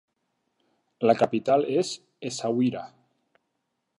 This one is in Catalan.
La capital és Essaouira.